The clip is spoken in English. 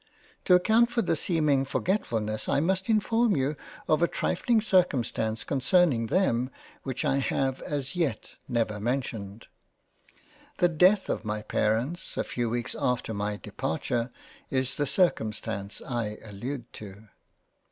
To account for the seeming forgetfullness I must inform you of a trifling circumstance concerning them which I have as yet never mentioned. The death of my Parents a few weeks after my Departure, is the circumstance I allude to.